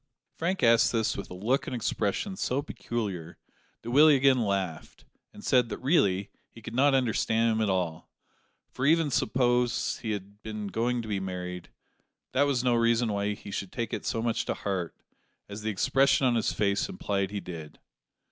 Frank asked this with a look and expression so peculiar that Willie again laughed and said that really he could not understand him at all; for even suppose he had been going to be married, that was no reason why he should take it so much to heart, as the expression on his face implied he did.